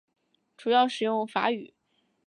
主要使用法语。